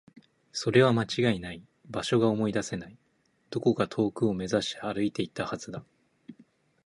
それは間違いない。場所が思い出せない。どこか遠くを目指して歩いていったはずだ。